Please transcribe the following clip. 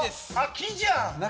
木じゃん！